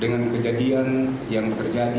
dengan kejadian yang terjadi